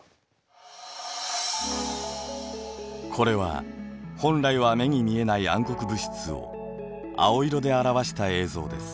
これは本来は目に見えない暗黒物質を青色で表した映像です。